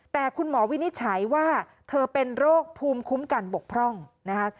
แต่คุณหมอวินิจฉัยว่าเธอเป็นโรคภูมิคุ้มกันบกพร่องนะคะ